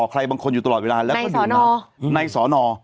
ใครบางคนอยู่ตลอดเวลาในสอนอ